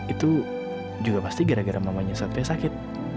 itu juga pasti gara gara mamanya satunya sakit